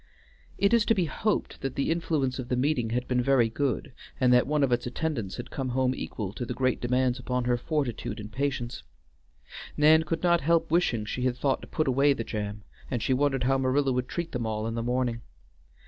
It is to be hoped that the influence of the meeting had been very good, and that one of its attendants had come home equal to great demands upon her fortitude and patience. Nan could not help wishing she had thought to put away the jam, and she wondered how Marilla would treat them all in the morning.